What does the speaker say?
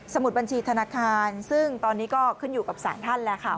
มุดบัญชีธนาคารซึ่งตอนนี้ก็ขึ้นอยู่กับสารท่านแล้วค่ะ